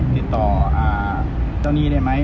ติดต่อเจ้าหนี้ได้ไหม